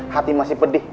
hati masih pedih